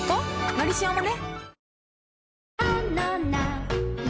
「のりしお」もね